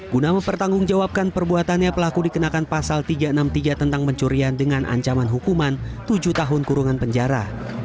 guna mempertanggungjawabkan perbuatannya pelaku dikenakan pasal tiga ratus enam puluh tiga tentang pencurian dengan ancaman hukuman tujuh tahun kurungan penjara